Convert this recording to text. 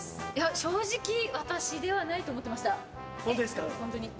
正直、私ではないと思ってました。